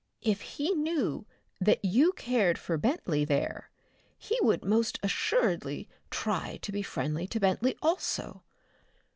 If he knew that you cared for Bentley there, he would most assuredly try to be friendly to Bentley also.